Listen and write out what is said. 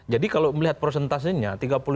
jadi kalau melihat prosentasenya